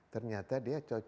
ternyata dia cocoknya